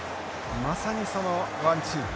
まさにそのワンチーム。